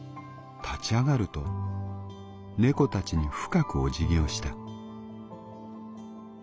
立ち上がると猫たちに深くおじぎをした。